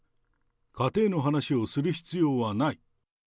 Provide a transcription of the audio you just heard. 仮定の話をする必要はない。